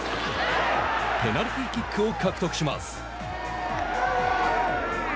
ペナルティーキックを獲得します。